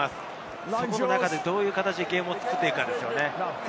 その中でどういった形でゲームを作っていくかですね。